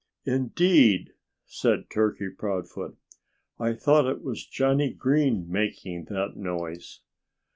"Indeed!" said Turkey Proudfoot. "I thought it was Johnnie Green making that noise."